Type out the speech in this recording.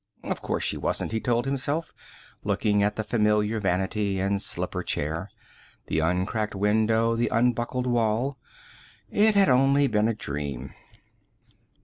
Of course she wasn't, he told himself, looking at the familiar vanity and slipper chair, the uncracked window, the unbuckled wall. It had only been a dream.